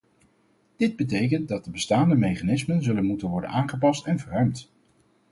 Dit betekent dat de bestaande mechanismen zullen moeten worden aangepast en verruimd.